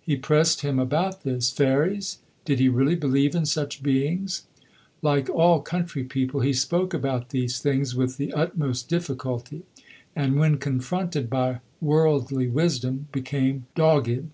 He pressed him about this. Fairies? Did he really believe in such beings? Like all country people he spoke about these things with the utmost difficulty, and when confronted by worldly wisdom, became dogged.